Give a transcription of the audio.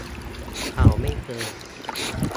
เขาไม่เจอ